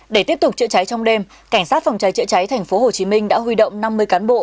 để tiếp tục chữa cháy trong đêm cảnh sát phòng cháy chữa cháy tp hcm đã huy động năm mươi cán bộ